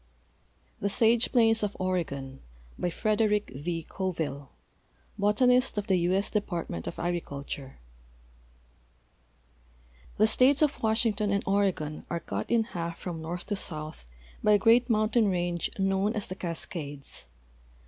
THE SAGE PLAINS OF OREGON Frederick V. Coville, Botanist of the U. S. Department of Agriculture The states of Washington and Oregon are cut in half from north to south by a great mountain range known as the Cas cades.